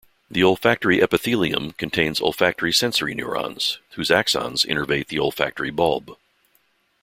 The olfactory epithelium contains olfactory sensory neurons, whose axons innervate the olfactory bulb.